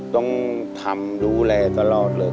ต้องทำดูแลตลอดเลย